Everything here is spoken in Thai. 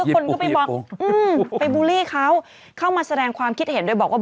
คนก็ไปบอกไปบูลลี่เขาเข้ามาแสดงความคิดเห็นโดยบอกว่า